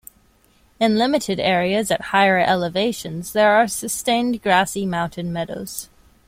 In limited areas at higher elevations there are sustained grassy mountain meadows.